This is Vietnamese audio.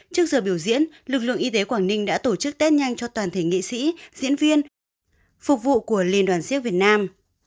trước giờ biểu diễn lực lượng y tế quảng ninh đã tổ chức tết nhanh cho toàn thể nghị sĩ diễn viên phục vụ của liên đoàn siếc việt nam